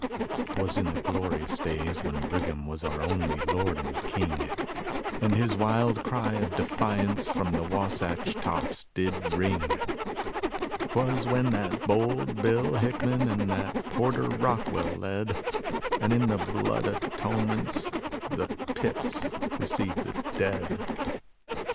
'Twas in the glorious days when Brigham was our only Lord and King, And his wild cry of defiance from the Wasatch tops did ring, 'Twas when that bold Bill Hickman and that Porter Rockwell led, And in the blood atonements the pits received the dead.